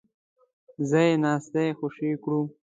ځای ناستي خوشي کړو.